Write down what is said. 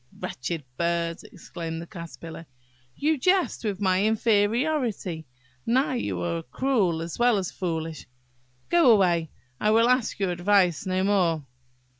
" "Wretched bird!" exclaimed the Caterpillar, "you jest with my inferiority–now you are cruel as well as foolish. Go away! I will ask your advice no more."